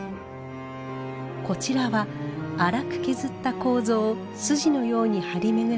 こちらは粗く削った楮を筋のように張り巡らせた和紙。